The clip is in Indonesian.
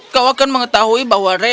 kau akan mengetahui bahwa rio berhasil